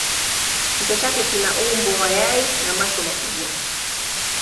Kichwa chake kina umbo wa yai na macho makubwa.